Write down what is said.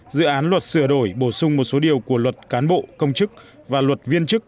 dự án luật sửa đổi bổ sung một số điều của luật cán bộ công chức và luật viên chức